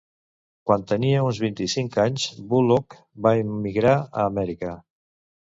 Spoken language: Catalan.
Quan tenia uns vint-i-cinc anys, Bullock va immigrar a Amèrica.